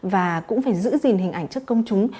và cũng phải giữ gìn hình ảnh trước công chúng